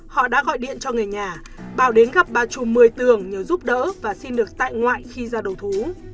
họ đã gọi điện cho người nhà bảo đến gặp bà trù một mươi tường nhờ giúp đỡ và xin được tại ngoại khi ra đầu thú